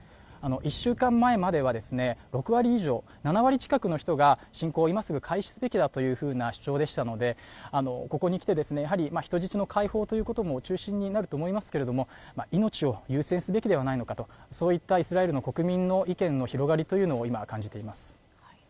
１週間前までは６割以上７割近くの人が侵攻を今すぐ開始すべきだという主張でしたので、ここにきて人質の解放ということも中心になると思いますけれども命を優先すべきではないかのかと、そういったイスラエルの国民の意見の広がりというのを今、感じています。